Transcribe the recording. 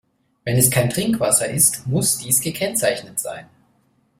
Wenn es kein Trinkwasser ist, muss dies gekennzeichnet sein.